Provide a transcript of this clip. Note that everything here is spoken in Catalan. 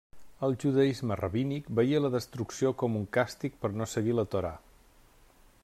El judaisme rabínic veié la destrucció com un càstig per no seguir la Torà.